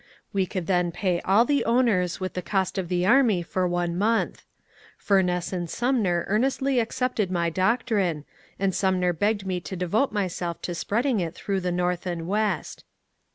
We could then pay all the owners with the cost of the army for one month. Fumess and Sumner earnestly accepted my doctrine, and Sumner begged me to devote myself to spreading it through the North and West.